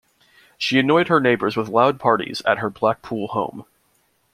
She annoyed her neighbours with loud parties at her Blackpool home.